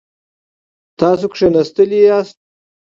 تاسو کښیناستی یاست؟